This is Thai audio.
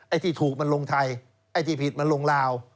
ที่ถูกมันลงไทยไอ้ที่ผิดมันลงลาว